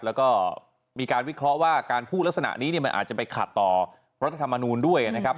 แล้วก็มีการวิเคราะห์ว่าการพูดลักษณะนี้มันอาจจะไปขัดต่อรัฐธรรมนูลด้วยนะครับ